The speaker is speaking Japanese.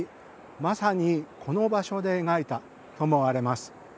まさにこの場所で描いたと思われます。